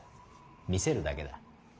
見せるだけだ。